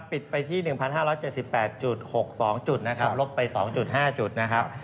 ปิดไปที่๑๕๗๘๖๒จุดนะครับลบไป๒๕จุดนะครับ